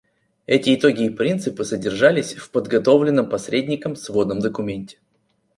Эти итоги и принципы содержались в подготовленном посредником сводном документе.